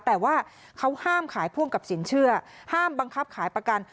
แต่ว่าเขาห้ามขายพ่วงกับสินเชื่อห้ามบังคับขายประกัน